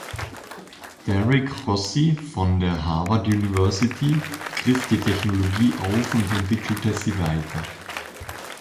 Derrick Rossi von der Harvard University griff die Technologie auf und entwickelte sie weiter.